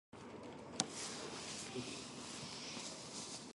いつもどうりの君でいてね